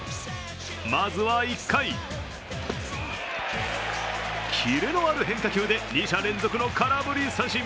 まずは１回、キレのある変化球で２者連続の空振り三振。